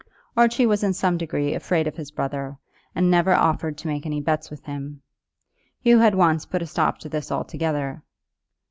Archie was in some degree afraid of his brother, and never offered to make any bets with him. Hugh had once put a stop to this altogether.